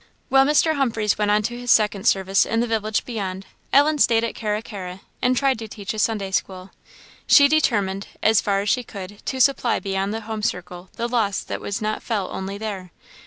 While Mr. Humphreys went on to his second service in the village beyond, Ellen stayed at Carra carra, and tried to teach a Sunday school. She determined, as far as she could, to supply beyond the home circle the loss that was not felt only there.